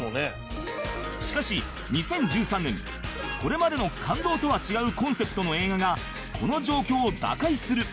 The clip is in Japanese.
しかし２０１３年これまでの感動とは違うコンセプトの映画がこの状況を打開する